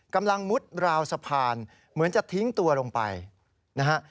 มุดราวสะพานเหมือนจะทิ้งตัวลงไปนะฮะ